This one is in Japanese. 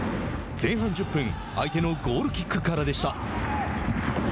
前半１０分相手のゴールキックからでした。